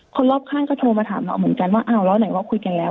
คนรอบข้างก็โทรมาถามเราเหมือนกันว่าอ้าวแล้วไหนว่าคุยกันแล้ว